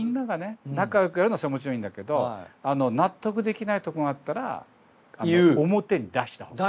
仲よくやるのはそれはもちろんいいんだけど納得できないとこがあったら表に出したほうがいい。